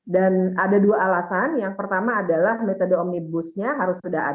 dan ada dua alasan yang pertama adalah metode omnibusnya harus sudah ada